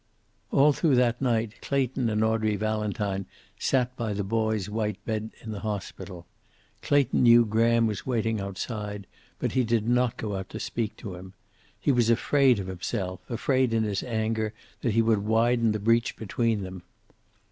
All through that night Clayton and Audrey Valentine sat by the boy's white bed in the hospital. Clayton knew Graham was waiting outside, but he did not go out to speak to him. He was afraid of himself, afraid in his anger that he would widen the breach between them.